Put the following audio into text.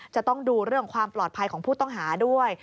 จะต้องดูเรื่องความปลอดภัยของผู้ต้องหาด้วย